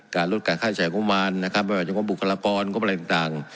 การลดการค่าใช้งุมมานนะครับแบบจังหวังบุคลากรงบอะไรต่างต่าง